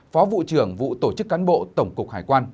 phó vụ trưởng vụ tổ chức cán bộ tổng cục hải quan